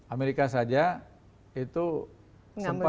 amerika saja itu sempat